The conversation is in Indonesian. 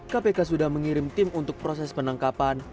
kpk sudah mengirim tim untuk proses penangkapan